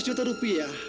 seratus juta rupiah